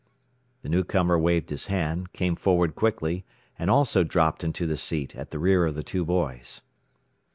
The newcomer waved his hand, came forward quickly, and also dropped into the seat at the rear of the two boys.